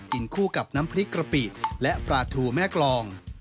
คู่กับน้ำพริกกะปิและปลาทูแม่กรอง